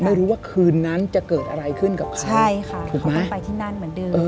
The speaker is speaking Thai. ไม่รู้ว่าคืนนั้นจะเกิดอะไรขึ้นกับใครใช่ค่ะเขาต้องไปที่นั่นเหมือนเดิม